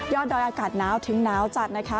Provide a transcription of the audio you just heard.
ดอยอากาศหนาวถึงหนาวจัดนะคะ